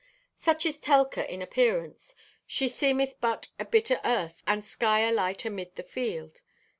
Such is Telka in appearance. "She seemeth but a bit o' earth and sky alight amid the field."